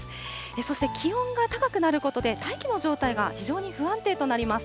そして気温が高くなることで、大気の状態が非常に不安定となります。